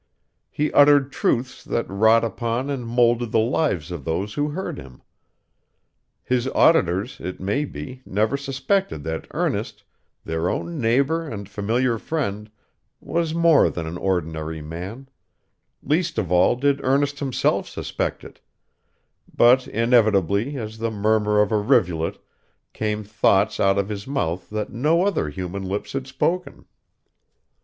He uttered truths that wrought upon and moulded the lives of those who heard him. His auditors, it may be, never suspected that Ernest, their own neighbor and familiar friend, was more than an ordinary man; least of all did Ernest himself suspect it; but, inevitably as the murmur of a rivulet, came thoughts out of his mouth that no other human lips had spoken.